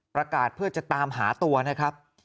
ประกาศเพื่อจะตามหาตัวนะครับ